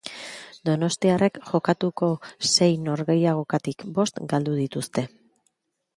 Donostiarrek jokatutako sei norgehiagokatik bost galdu dituzte.